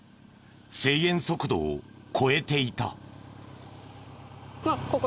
制限速度を超えていた。